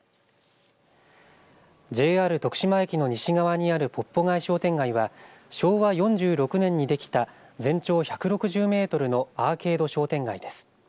ＪＲ徳島駅の西側にあるポッポ街商店街は昭和４６年にできた全長１６０メートルのアーケード商店街です。